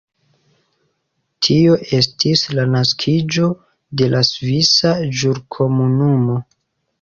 Tio estis la naskiĝo de la Svisa Ĵurkomunumo.